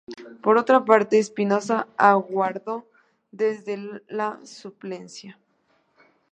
Por otra parte, Espinoza aguardó desde la suplencia.